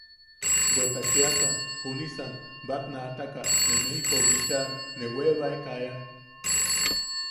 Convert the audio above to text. Bweta cheʼasan junisan batnaataka ne Mejikou bicha ne webaeka ean.